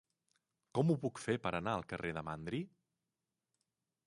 Com ho puc fer per anar al carrer de Mandri?